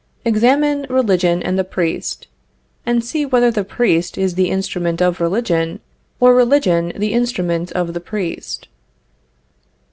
Examine religion and the priest, and see whether the priest is the instrument of religion, or religion the instrument of the priest.